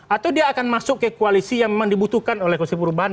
atau dia akan masuk ke koalisi yang memang dibutuhkan oleh koalisi perubahan